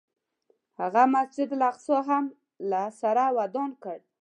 هغه مسجد الاقصی هم له سره ودان کړ.